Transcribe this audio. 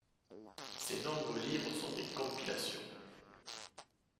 Ses nombreux livres sont des compilations.